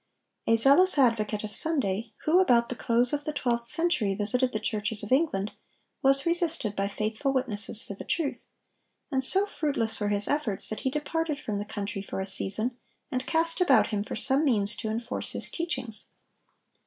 A zealous advocate of Sunday, who about the close of the twelfth century visited the churches of England, was resisted by faithful witnesses for the truth; and so fruitless were his efforts that he departed from the country for a season, and cast about him for some means to enforce his teachings.